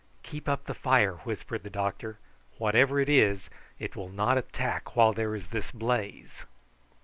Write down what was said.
"Keep up the fire," whispered the doctor; "whatever it is it will not attack while there is this blaze."